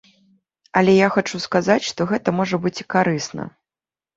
Але я хачу сказаць, што гэта можа быць і карысна.